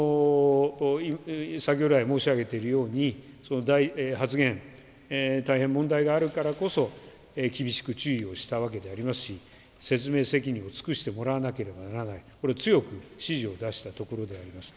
先ほど来、申し上げているように、その発言、大変問題があるからこそ、厳しく注意をしたわけでありますし、説明責任を尽くしてもらわなければならない、これ、強く指示を出したところであります。